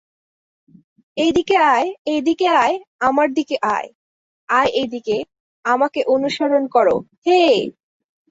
এইদিকে আয় এইদিকে আয় আমার দিকে আয় আয় এইদিকে আমাক অনুসরন কর হেই!